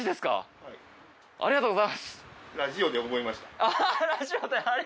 はい。